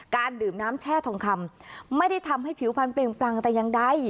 การดื่มน้ำแช่ทองคำไม่ได้ทำให้ผิวพันเปลี่ยงปลังแต่ยังได้